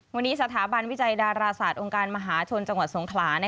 วันนี้สถาบันวิจัยดาราศาสตร์องค์การมหาชนจังหวัดสงขลา